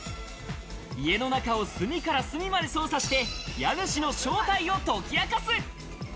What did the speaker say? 家の中を隅から隅まで捜査して、家主の正体を解き明かす。